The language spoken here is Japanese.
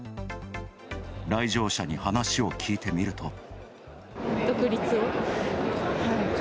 来場者に話を聞いてみると。